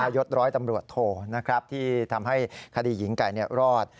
ยศร้อยตำรวจโทที่ทำให้คดีหญิงไก่รอด